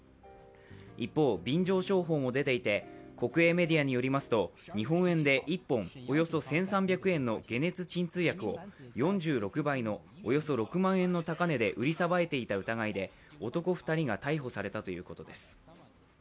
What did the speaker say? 一方、便乗商法も出ていて、国営メディアによりますと日本円で１本およそ１３００円の解熱鎮痛薬を４６倍のおよそ６万円の高値で売りさばいていた疑いで男２人が逮捕されたということです